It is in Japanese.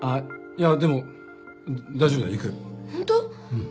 うん